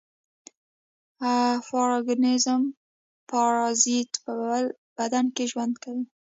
پارګانېزم پارازیت په بل بدن کې ژوند کوي.